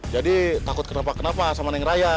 jadi takut kenapa kenapa sama neng raya